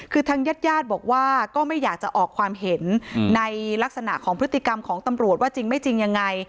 คือทางญาติญาติบอกว่าก็ไม่อยากจะออกความเห็นในลักษณะของพฤติกรรมของตำรวจว่าจริงไม่จริงยังไง